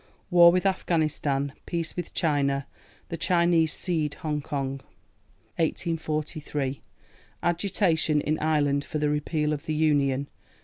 War with Afghanistan. Peace with China. The Chinese cede Hong Kong. 1843. Agitation in Ireland for the Repeal of the Union.